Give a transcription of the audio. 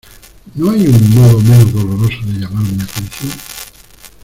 ¿ No hay un modo menos doloroso de llamar mi atención?